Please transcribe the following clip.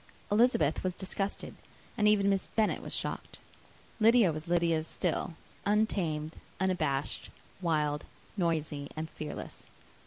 Elizabeth was disgusted, and even Miss Bennet was shocked. Lydia was Lydia still; untamed, unabashed, wild, noisy, and fearless.